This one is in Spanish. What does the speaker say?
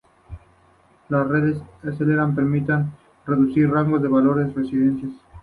Las redes escalera permiten reducir el rango de valores de las resistencias.